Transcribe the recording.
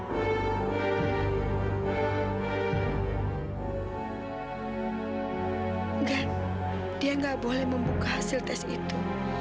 dan tuhan sudah menerima hasil tes itu